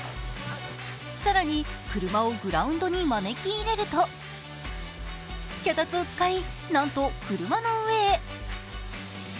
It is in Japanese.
更に車をグラウンドに招き入れると、脚立を使い、なんと車の上へ。